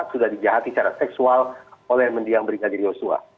sudah dijahati secara seksual oleh mendiam brigadir joshua